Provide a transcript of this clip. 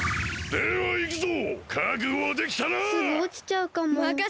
ではいくぞ！